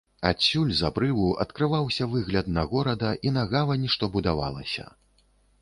Адсюль, з абрыву, адкрываўся выгляд на горада і на гавань, што будавалася.